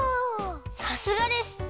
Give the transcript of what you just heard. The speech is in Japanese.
さすがです！